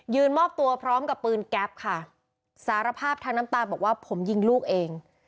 มอบตัวพร้อมกับปืนแก๊ปค่ะสารภาพทางน้ำตาบอกว่าผมยิงลูกเอง